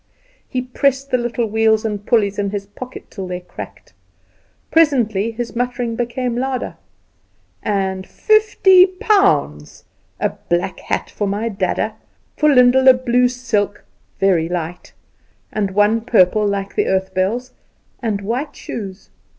He pressed the little wheels and pulleys in his pocket till they cracked. Presently his muttering became louder "And fifty pounds a black hat for my dadda for Lyndall a blue silk, very light; and one purple like the earth bells, and white shoes."